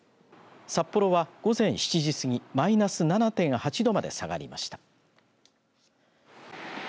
札幌は、午前７時過ぎマイナス７．８度まで下がりました。